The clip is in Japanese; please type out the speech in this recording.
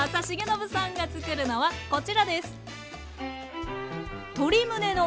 重信さんが作るのはこちらです。